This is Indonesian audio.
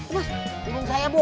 burung saya bu